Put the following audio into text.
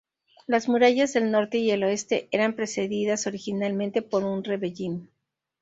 Las murallas del norte y el oeste eran precedidas originalmente por un revellín.